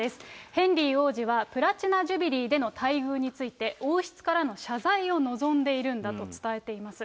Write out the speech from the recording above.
ヘンリー王子はプラチナ・ジュビリーでの待遇について、王室からの謝罪を望んでいるんだと伝えています。